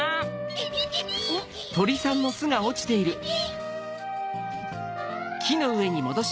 ピピピピピ！